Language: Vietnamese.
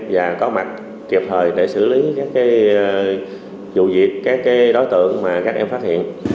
và có mặt kịp thời để xử lý các vụ việc các đối tượng mà các em phát hiện